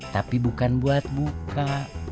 tapi bukan buat buka